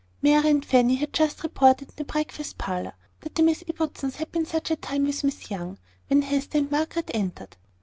Mary and Fanny had just reported in the breakfast parlour, that the Miss Ibbotsons had been "such a time with Miss Young!" when Hester and Margaret entered.